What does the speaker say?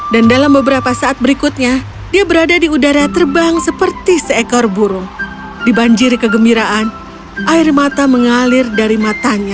dan dalam beberapa saat berikutnya dia berada di udara terbang seperti seekor burung dibanjiri kegembiraan air mata mengalir dari matanya